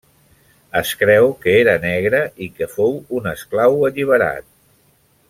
Es creu que era negre i que fou un esclau alliberat.